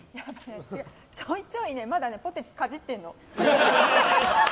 ちょいちょいまだポテチかじってるの。